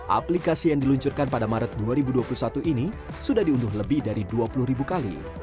aplikasi yang diluncurkan pada maret dua ribu dua puluh satu ini sudah diunduh lebih dari dua puluh ribu kali